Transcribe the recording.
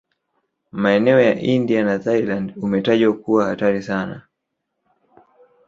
Maeneo ya India na Thailand umetajwa kuwa hatari sana